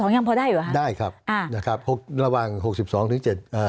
๖๒ยังพอได้หรือคะได้ครับระหว่าง๖๒ถึง๗๒